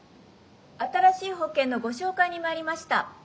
新しい保険のご紹介に参りました」。